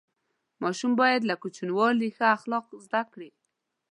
ماشوم باید له کوچنیوالي ښه اخلاق زده کړي.